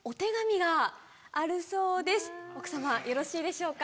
奥様よろしいでしょうか。